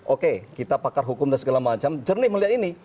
oke kita pakar hukum dan segala macam jernih melihat ini